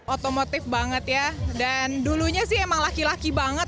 otomotif banget ya dan dulunya sih emang laki laki banget